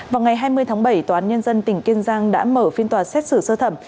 vào ngày hai mươi tháng bảy tòa án nhân dân tỉnh kiên giang đã mở phiên tòa xét xử sơ thẩm